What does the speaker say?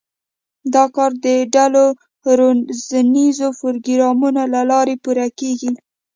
دا کار د ډلو روزنیزو پروګرامونو له لارې پوره کېږي.